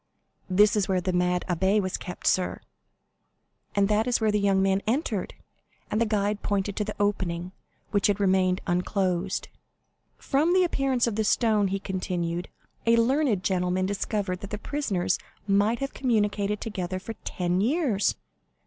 "This is where the mad abbé was kept, sir, and that is where the young man entered;" and the guide pointed to the opening, which had remained unclosed. "From the appearance of the stone," he continued, "a learned gentleman discovered that the prisoners might have communicated together for ten years.